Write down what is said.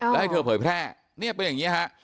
แล้วให้เธอเผยแพร่เนี่ยเป็นอย่างนี้ฮะ